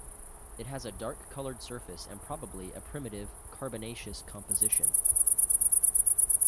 It has a dark-colored surface and probably a primitive carbonaceous composition.